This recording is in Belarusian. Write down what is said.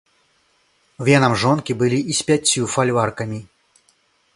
Венам жонкі былі і з пяццю фальваркамі.